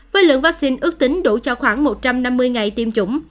với lượng vaccine ước tính đủ cho khoảng một trăm năm mươi ngày tiêm chủng